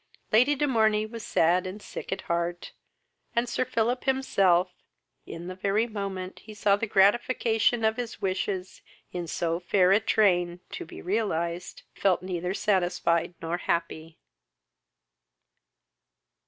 Lady de Morney was sad and sick at heart, and Sir Philip himself, in the very moment he saw the gratification of his wishes in so fair a train to be realized, felt neither satisfied nor happy.